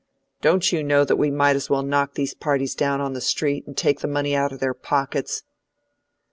Don't you know that we might as well knock these parties down on the street, and take the money out of their pockets?"